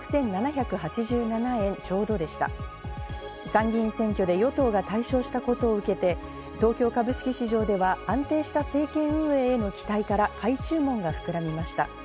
参議院選挙で与党が大勝したことを受けて、東京株式市場では安定した政権運営への期待から買い注文が膨らみました。